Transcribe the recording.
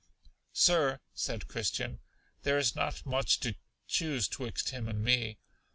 Sir, said Christian, there is not much to choose twixt him and me.